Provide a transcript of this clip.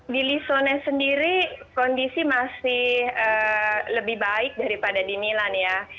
di lissone sendiri kondisi masih lebih baik daripada di milan ya